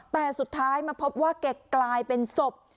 แต่สุดท้ายมาพบว่าแกกลายเป็นศพ